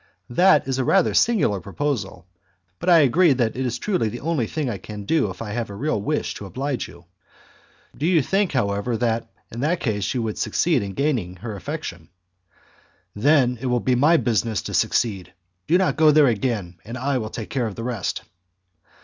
"That is a rather singular proposal, but I agree that it is truly the only thing I can do if I have a real wish to oblige you. Do you think, however, that in that case you would succeed in gaining her affection?" "Then it will be my business to succeed. Do not go there again, and I will take care of the rest."